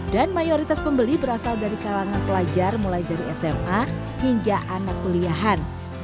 dan mayoritas pembeli berasal dari kalangan pelajar mulai dari sma hingga anak kuliahan